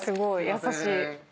優しい。